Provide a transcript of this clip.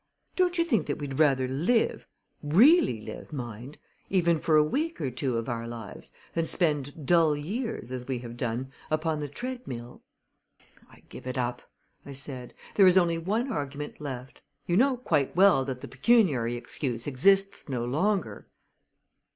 Don't you think that we'd rather live really live, mind even for a week or two of our lives, than spend dull years, as we have done, upon the treadmill?" "I give it up," I said. "There is only one argument left. You know quite well that the pecuniary excuse exists no longer."